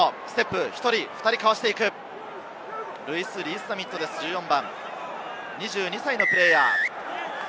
ルイス・リース＝ザミットです、１４番、２２歳のプレーヤー。